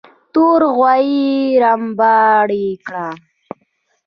تور غوايي رمباړه کړه.